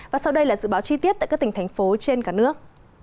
và sau đây là dự báo chi tiết tại các tỉnh thành phố trên cả nước